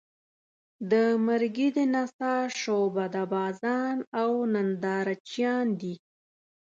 د مرګي د نڅا شعبده بازان او نندارچیان دي.